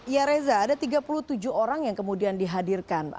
ya reza ada tiga puluh tujuh orang yang kemudian dihadirkan